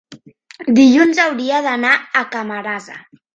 dilluns hauria d'anar a Camarasa.